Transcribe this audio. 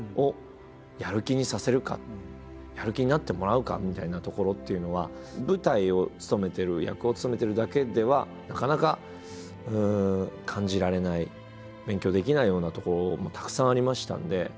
要はみたいなところっていうのは舞台を務めてる役を務めてるだけではなかなか感じられない勉強できないようなところもたくさんありましたんで。